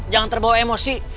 jangan terbawa emosi